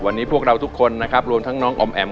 วันนี้พวกเราทุกคนนะครับรวมทั้งน้องออมแอ๋ม